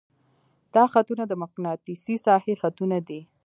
دا خطونه د مقناطیسي ساحې خطونه دي.